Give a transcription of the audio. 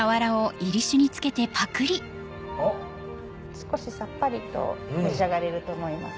少しさっぱりと召し上がれると思います。